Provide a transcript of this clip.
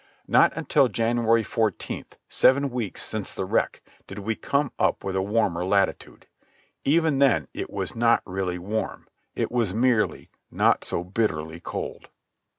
Not until January fourteenth, seven weeks since the wreck, did we come up with a warmer latitude. Even then it was not really warm. It was merely not so bitterly cold.